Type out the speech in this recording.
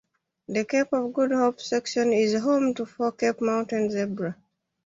The Cape of Good Hope section is home to four Cape mountain zebra.